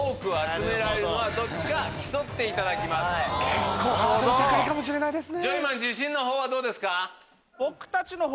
結構ハードル高いかもしれないですね。